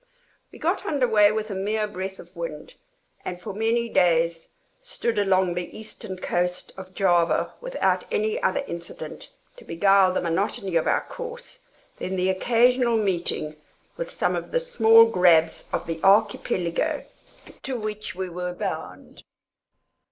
We got under way with a mere breath of wind, and for many days stood along the eastern coast of Java, without any other incident to beguile the monotony of our course than the occasional meeting with some of the small grabs of the Archipelago to which we were bound.